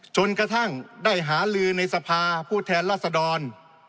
จนกระทั่งได้หาลือในสภาผู้แทนรัศดร